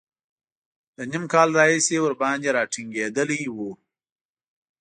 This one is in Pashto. له نیم کال راهیسې ورباندې را ټینګېدلی و.